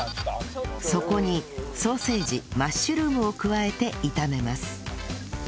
そこにソーセージマッシュルームを加えて炒めます